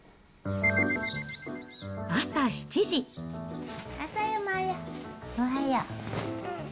朝やで、おはよう。